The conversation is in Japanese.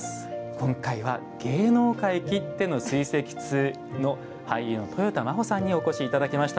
今回は芸能界きっての水石通の俳優のとよた真帆さんにお越しいただきました。